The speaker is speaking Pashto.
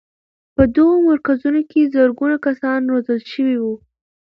په دغو مرکزونو کې زرګونه کسان روزل شوي وو.